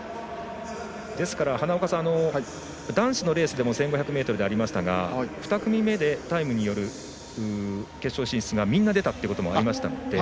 ですから、男子のレースでも１５００ｍでありましたが２組目でタイムによる決勝進出がみんな出たということもありますので。